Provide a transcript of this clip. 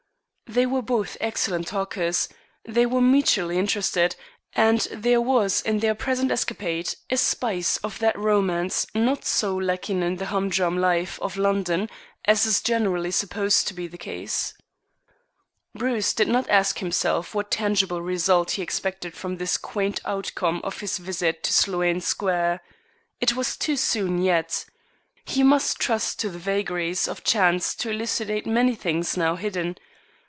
They were both excellent talkers, they were mutually interested, and there was in their present escapade a spice of that romance not so lacking in the humdrum life of London as is generally supposed to be the case. Bruce did not ask himself what tangible result he expected from this quaint outcome of his visit to Sloane Square. It was too soon yet. He must trust to the vagaries of chance to elucidate many things now hidden.